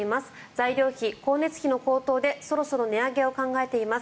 材料費、光熱費の高騰でそろそろ値上げを考えています。